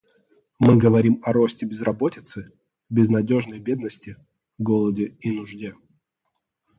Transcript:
Мы говорим о росте безработицы, безнадежной бедности, голоде и нужде.